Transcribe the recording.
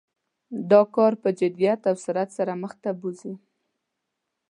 دا کار په جدیت او سرعت سره مخ ته بوزي.